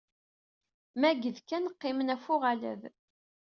Meg d Ken qqimen ɣef uɣalad.